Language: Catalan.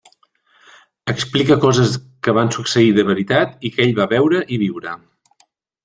Explica coses que van succeir de veritat i que ell va veure i viure.